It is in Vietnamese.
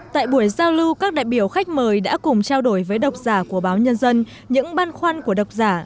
tại buổi giao lưu các đại biểu khách mời đã cùng trao đổi với độc giả của báo nhân dân những băn khoăn của độc giả